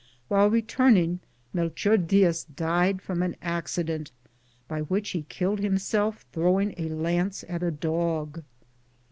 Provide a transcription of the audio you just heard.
While return ing Melchor Diaz died from an accident, by which he killed himself, throwing a lance at a dog.